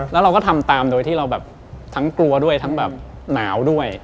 แล้วเราก็ทำตามโดยที่เราแบบทั้งกลัวด้วยทั้งแบบหนาวด้วย